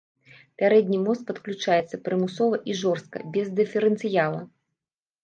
Пярэдні мост падключаецца прымусова і жорстка, без дыферэнцыяла.